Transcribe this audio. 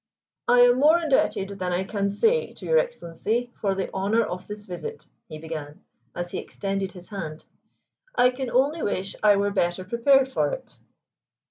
"I am more indebted than I can say to your Excellency for the honor of this visit," he began, as he extended his hand. "I can only wish I were better prepared for it."